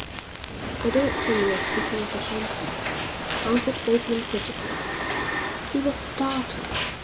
"I don't think we're speaking of the same person," answered Bateman, frigidly. He was startled.